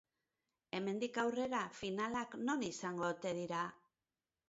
Hemendik aurrera finalak non izango ote dira?